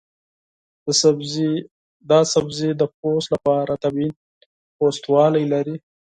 دا سبزی د پوستکي لپاره طبیعي نرموالی لري.